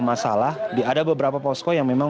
masalah ada beberapa posko yang memang